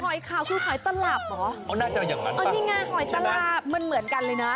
หอยขาวคือหอยตลาบเหรอน่าจะอย่างนั้นป่ะมันเหมือนกันเลยนะ